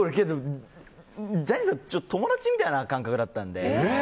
ジャニーさん友達みたいな感覚だったんで。